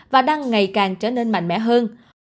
và đang ngày càng trở nên mạnh mẽ hơn